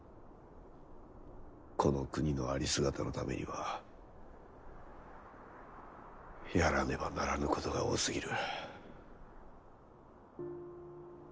この国のありすがたのためにはやらねばならぬことが多すぎる。